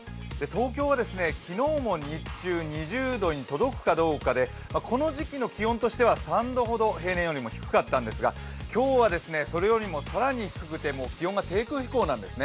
東京は昨日も日中、２０度に届くかどうかで、この時期の気温としては３度ほど平年よりも低かったんですが今日はそれよりも更に低くて気温が低空飛行なんです。